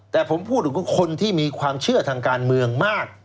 แต่ผมพูดถึงคนที่มีความเชื่อทางการเมืองมาก